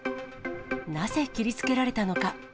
なぜ切りつけられたのか。